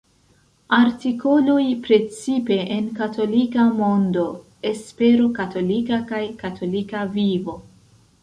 Artikoloj precipe en Katolika Mondo, Espero Katolika kaj Katolika Vivo.